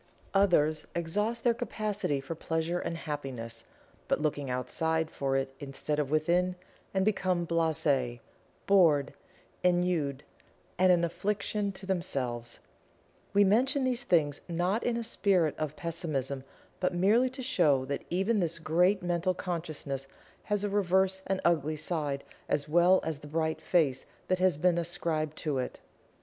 Others exhaust their capacity for pleasure and happiness, but looking outside for it instead of within, and become blase, bored, ennuied and an affliction to themselves We mention these things not in a spirit of Pessimism but merely to show that even this great Mental Consciousness has a reverse and ugly side as well as the bright face that has been ascribed to it.